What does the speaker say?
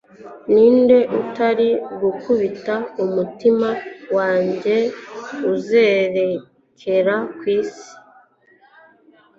ninde utari gukubita umutima wanjye uzerera kwisi